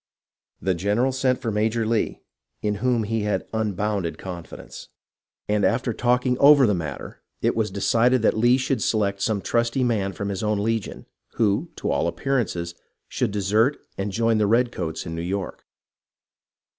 The general sent for Major Lee, in whom he 361 362 HISTORY OF THE AMERICAN REVOLUTION had unbounded confidence, and after talking over the mat ter it was decided that Lee should select some trusty man from his own legion, who, to all appearances, should desert and join the redcoats in New York.